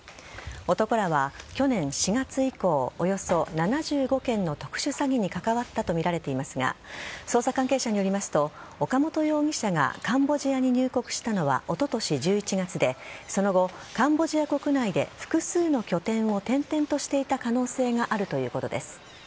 男らは去年４月以降およそ７５件の特殊詐欺に関わったとみられていますが捜査関係者によりますと岡本容疑者がカンボジアに入国したのはおととし１１月でその後、カンボジア国内で複数の拠点を転々としていた可能性があるということです。